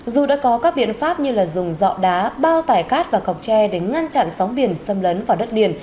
dù đã có các biện pháp như dùng dọ đá bao tải cát và cọc tre để ngăn chặn sóng biển xâm lấn vào đất liền